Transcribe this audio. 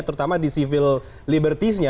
terutama di civil liberties nya